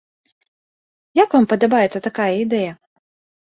Як вам падабаецца такая ідэя?